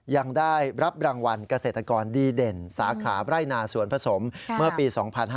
ยังได้รับรางวัลเกษตรกรดีเด่นสาขาไร่นาสวนผสมเมื่อปี๒๕๕๙